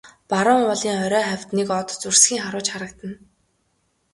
Баруун уулын орой хавьд нэг од зурсхийн харваж харагдана.